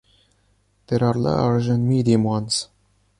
There are large and medium ones.